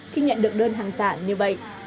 khi nhận được đơn hàng giả như vậy